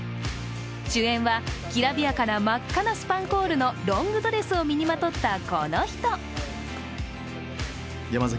主演は、きらびやかな真っ赤なスパンコールのロングドレスを身にまとったこの人。